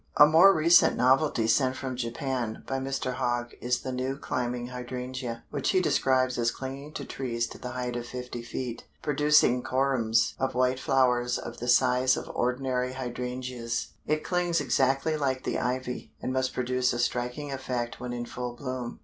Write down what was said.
A more recent novelty sent from Japan by Mr. Hogg, is the "New Climbing Hydrangea," which he describes as clinging to trees to the height of fifty feet, producing corymbs of white flowers of the size of ordinary Hydrangeas. It clings exactly like the Ivy, and must produce a striking effect when in full bloom.